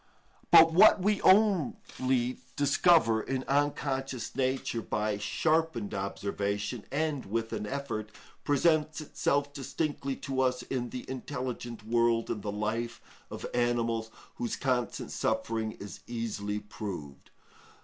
But what we only discover in unconscious Nature by sharpened observation, and with an effort, presents itself distinctly to us in the intelligent world in the life of animals, whose constant suffering is easily proved.